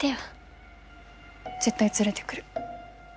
絶対連れてくる。